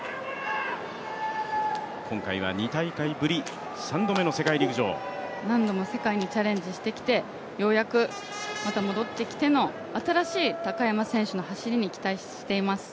今回は２大会ぶり、３度目の世界陸上何度も世界にチャレンジしてきてようやくまた戻ってきての新しい高山選手の走りに期待しています。